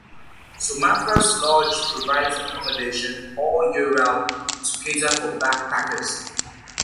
Maffra Lodge provides accommodation all year round to cater for backpackers.